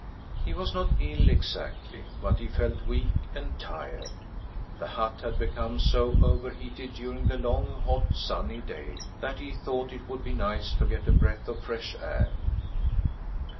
He was not ill exactly, but he felt weak and tired. The hut had become so overheated during the long, hot sunny day that he thought it would be nice to get a breath of fresh air.